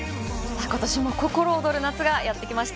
ことしも心躍る夏がやってきました。